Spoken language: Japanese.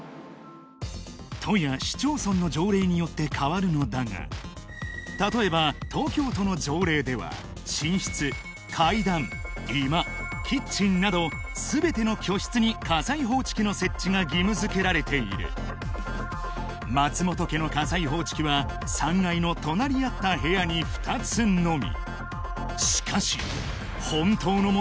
都や市町村の条例によって変わるのだが例えばなど全ての居室に火災報知器の設置が義務づけられている松本家の火災報知器は３階の隣り合った部屋に２つのみ